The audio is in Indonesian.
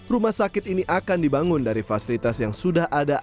rumah sakit ini akan dibangun dari fasilitas yang sudah ada